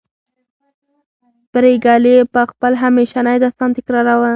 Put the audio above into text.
پريګلې به خپل همیشنی داستان تکراروه